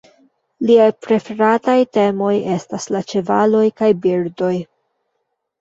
Liaj preferataj temoj estas la ĉevaloj kaj birdoj.